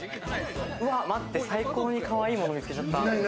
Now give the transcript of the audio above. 最高にかわいいもの見つけちゃった。